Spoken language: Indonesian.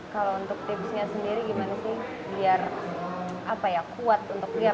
kalau untuk tipsnya sendiri gimana sih biar kuat untuk lihat